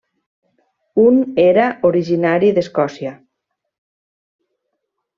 Un era originari d'Escòcia.